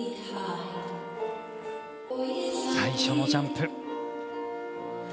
最初のジャンプ。